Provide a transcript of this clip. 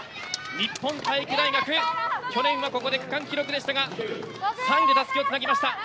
日本体育大学去年はここで区間記録でしたが３位で、たすきをつなぎました。